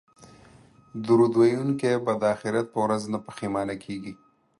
درود ویونکی به د اخرت په ورځ نه پښیمانه کیږي